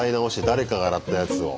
誰かが洗ったやつを。